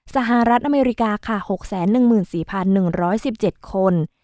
สหรัฐอเมริกาค่ะ๖๑๔๑๑๗คน